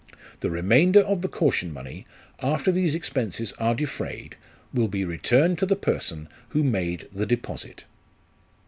The remainder of the caution money, after these expenses are defrayed, will be returned to the person who made the deposit."